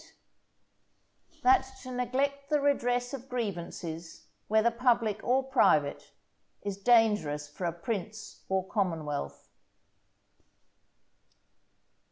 —That to neglect the redress of Grievances, whether public or private, is dangerous for a Prince or Commonwealth.